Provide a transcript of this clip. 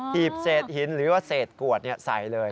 ีบเศษหินหรือว่าเศษกวดใส่เลย